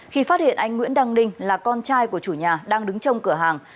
khi phát hiện anh nguyễn đăng ninh là con trai của chủ nhà đang đứng trong cửa hàng